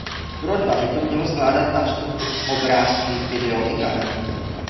Pro dva by to mělo zvládat na vstupu obrázky, video i kameru.